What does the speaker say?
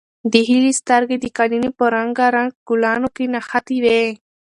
د هیلې سترګې د قالینې په رنګارنګ ګلانو کې نښتې وې.